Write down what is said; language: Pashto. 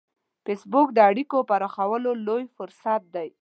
فېسبوک د اړیکو پراخولو لوی فرصت دی